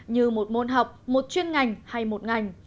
như một môn học một chuyên ngành hay một ngành